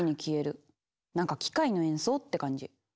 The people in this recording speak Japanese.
なんか機械の演奏って感じ。